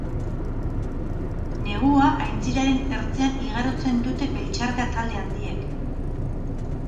Negua aintziraren ertzean igarotzen dute beltxarga talde handiek.